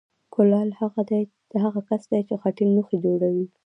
کولال هغه کس دی چې خټین لوښي جوړوي